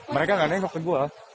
mereka nggak nengok ke gue